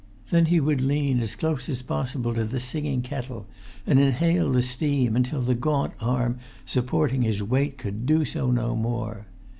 Then he would lean as close as possible to the singing kettle, and inhale the steam until the gaunt arm supporting his weight could do so no more.